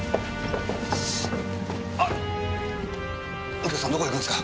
右京さんどこ行くんですか？